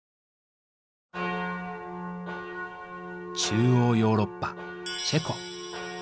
中欧ヨーロッパチェコ。